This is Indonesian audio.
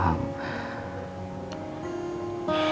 ngeranya malah aku beneran sama dia